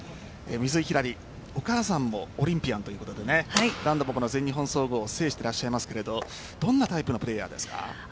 水井ひらり、お母さんもオリンピアンということで何度も全日本総合制していらっしゃいますがどんなタイプのプレーヤーですか？